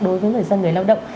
đối với người dân người lao động